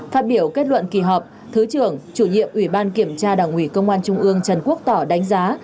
phát biểu kết luận kỳ họp thứ trưởng chủ nhiệm ủy ban kiểm tra đảng ủy công an trung ương trần quốc tỏ đánh giá